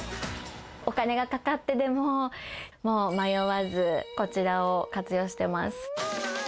お金がかかってでも、迷わずこちらを活用してます。